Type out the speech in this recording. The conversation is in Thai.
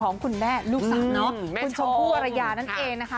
ของคุณแม่ลูกศักดิ์คุณชมพู่วารยานั่นเองนะคะ